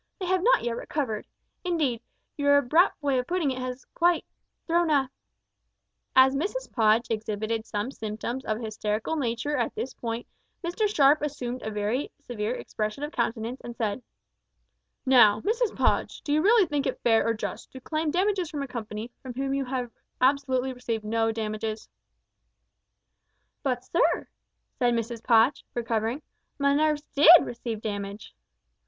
They have not yet recovered. Indeed, your abrupt way of putting it has quite thrown a " As Mrs Podge exhibited some symptoms of a hysterical nature at this point Mr Sharp assumed a very severe expression of countenance, and said "Now, Mrs Podge, do you really think it fair or just, to claim damages from a company, from whom you have absolutely received no damage?" "But sir," said Mrs Podge, recovering, "my nerves did receive damage."